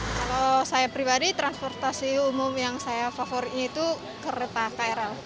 kalau saya pribadi transportasi umum yang saya favori itu kereta krl